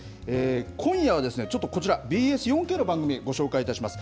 今夜はちょっとこちら、ＢＳ４Ｋの番組、ご紹介いたします。